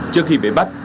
trước khi bế bắt